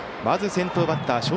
まず先頭バッター